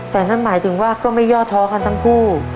แต่นั่นหมายถึงว่าก็ไม่ย่อท้อกันทั้งคู่